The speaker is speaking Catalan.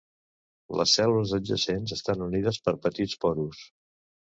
Les cèl·lules adjacents estan unides per petits porus.